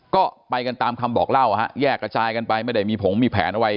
ก็ไปกันตามคำบอกเล่าฮะแยกกระจายกันไปไม่ได้มีผงมีแผนอะไร